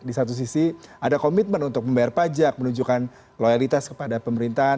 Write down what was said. di satu sisi ada komitmen untuk membayar pajak menunjukkan loyalitas kepada pemerintahan